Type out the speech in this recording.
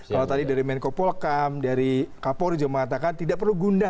kalau tadi dari menko polkam dari kapolri juga mengatakan tidak perlu gundah